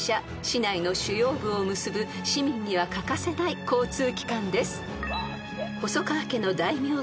［市内の主要部を結ぶ市民には欠かせない交通機関です］